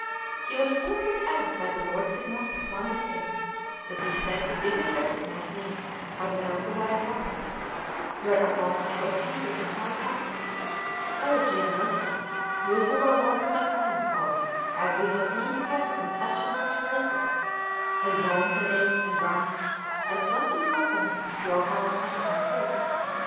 He was so put out by the words his master flung at him, that he said he did not recognise me or know who I was; whereupon I got angry, and cried out: "O Giannotto, you who were once my friend for have we not been together in such and such places, and drawn, and ate, and drunk, and slept in company at your house in the country?